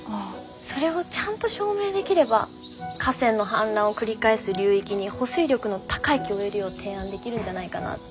それをちゃんと証明できれば河川の氾濫を繰り返す流域に保水力の高い木を植えるよう提案できるんじゃないかなって。